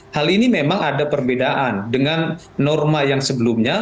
hal ini memang ada perbedaan dengan norma yang sebelumnya